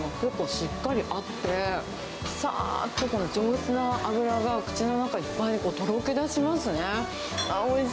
歯応えも結構しっかりあって、さーっとこの上質な脂が、口の中いっぱいにとろけだしますね。